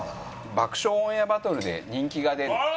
「『爆笑オンエアバトル』で人気が出る」。